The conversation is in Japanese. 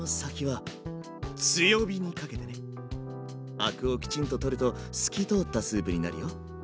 アクをきちんと取ると透き通ったスープになるよ。